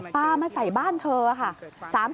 ปลามาใส่บ้านเธอค่ะ